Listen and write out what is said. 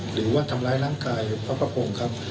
หรือว่าทำร้ายร่างกายพระประพงศ์ครับ